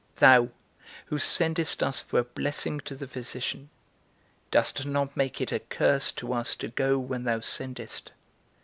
Thou, who sendest us for a blessing to the physician, dost not make it a curse to us to go when thou sendest.